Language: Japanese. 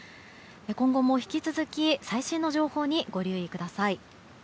今後も引き続き最新の情報にご留意ください。